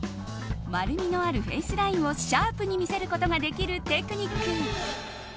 丸みのあるフェイスラインをシャープに見せることができるテクニック。